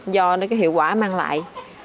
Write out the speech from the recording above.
do cái hiệu quả mang lại